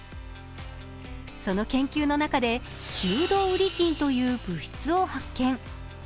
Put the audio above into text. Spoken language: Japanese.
その研究の中でシュートウリジンという物質を発見。